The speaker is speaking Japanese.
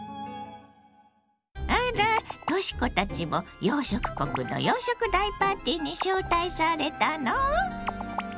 あらとし子たちも洋食国の洋食大パーティーに招待されたの？